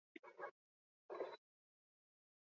Hau ulertzeko arrazoi asko daude.